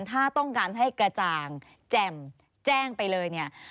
ถ้าต้องการให้กระจ่างแจ่มแจ้งไปเลยเนี่ย